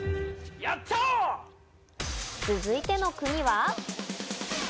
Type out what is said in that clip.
続いての国は？